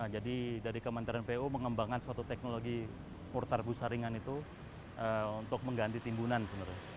jadi dari kementerian pu mengembangkan suatu teknologi mortar busa ringan itu untuk mengganti timbunan sebenarnya